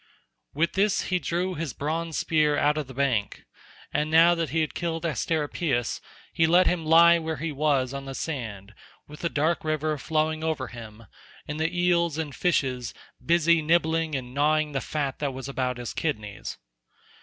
With this he drew his bronze spear out of the bank, and now that he had killed Asteropaeus, he let him lie where he was on the sand, with the dark water flowing over him and the eels and fishes busy nibbling and gnawing the fat that was about his kidneys.